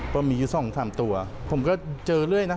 เพราะมีสองสามตัวผมก็เจอเรื่อยนะ